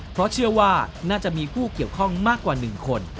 เพราะเชื่อว่าน่าจะมีผู้เกี่ยวข้องมากกว่า๑คน